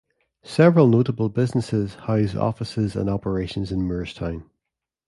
Several notable businesses house offices and operations in Moorestown.